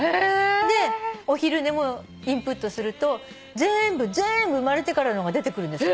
でお昼寝もインプットすると全部生まれてからのが出てくるんです。